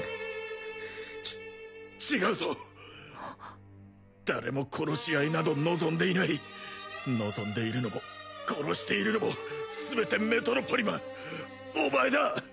ち違うぞ誰も殺し合いなど望んでいない望んでいるのも殺しているのも全てメトロポリマンお前だ